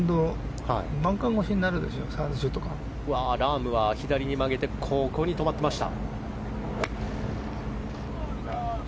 ラームは左に曲げてここに止まっていました。